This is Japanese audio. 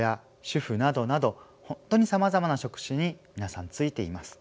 主婦などなど本当にさまざまな職種に皆さん就いています。